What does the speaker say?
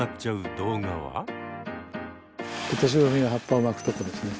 オトシブミが葉っぱを巻くとこですね。